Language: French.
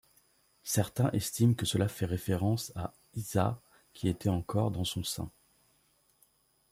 Certains estiment que cela fait référence à ʿĪsā qui était encore dans son sein.